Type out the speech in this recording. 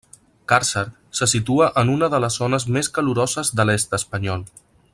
Càrcer se situa en una de les zones més caloroses de l'est espanyol.